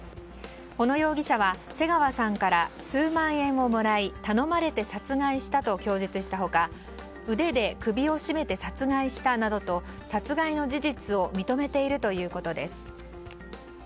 小野容疑者は瀬川さんから数万円をもらい頼まれて殺害したと供述した他腕で首を絞めて殺害したなどと殺害の事実を認めているということです。